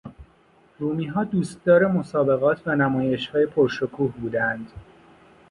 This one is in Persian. رومیها دوستدار مسابقات و نمایشهای پر شکوه بودند.